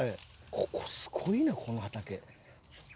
ここすごいねこの畑。